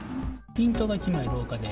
プリントが１枚廊下で。